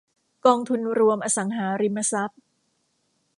กองทุนรวมอสังหาริมทรัพย์